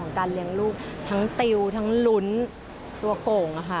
การเลี้ยงลูกทั้งติวทั้งลุ้นตัวโก่งค่ะ